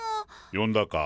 呼んだか？